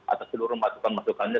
atas seluruh masukan masukannya